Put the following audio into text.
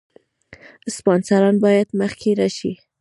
سپانسران باید مخکې راشي.